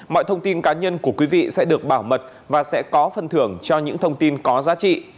mọi thông tin cá nhân của quý vị sẽ được bảo mật và sẽ có phần thưởng cho những thông tin có giá trị